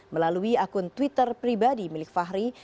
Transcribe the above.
melalui akun twitter pribadi milik fahri